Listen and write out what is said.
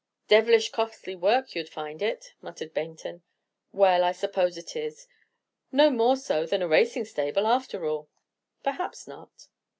"Devilish costly work you'd find it," muttered Baynton. "Well, I suppose it is, not more so than a racing stable, after all." "Perhaps not."